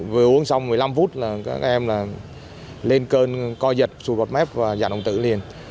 vừa uống xong một mươi năm phút là các em là lên cơn coi dật sụt bọt mép và giảm động tử liền